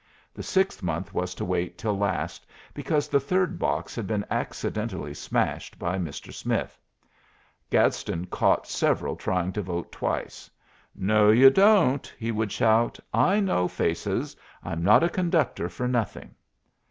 The 6 month was to wait till last, because the third box had been accidentally smashed by Mr. Smith. Gadsden caught several trying to vote twice. "No, you don't!" he would shout. "I know faces. I'm not a conductor for nothing."